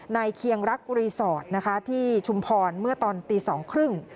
ในเคียงรักรีสอร์ทที่ชุมพรเมื่อตอนตี๒ครึ่ง